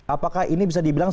apakah ini bisa dibilang